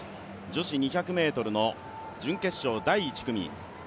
女子２００ｍの準決勝、第１組。